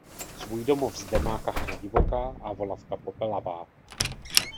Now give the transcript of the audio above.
Svůj domov zde má kachna divoká a volavka popelavá.